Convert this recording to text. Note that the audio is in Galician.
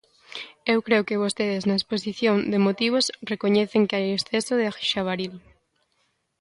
Eu creo que vostedes na exposición de motivos recoñecen que hai exceso de xabaril.